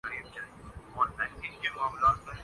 جو کا سبب پاکستان کرکٹ تنزلی کرنا جانب گامزن ہونا